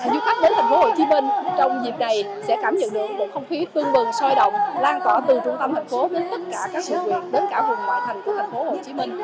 du khách đến tp hcm trong dịp này sẽ cảm nhận được một không khí tương vần soi động lan tỏa từ trung tâm thành phố đến tất cả các vực viện đến cả vùng ngoại thành của tp hcm